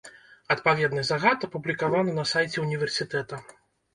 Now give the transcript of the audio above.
Адпаведны загад апублікаваны на сайце ўніверсітэта.